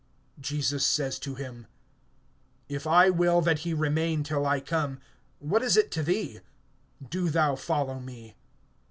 (22)Jesus says to him: If I will that he remain till I come, what is it to thee? Do thou follow me.